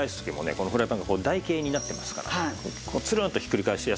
このフライパンが台形になってますからツルンとひっくり返しやすいんですけどね。